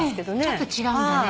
ちょっと違うんだね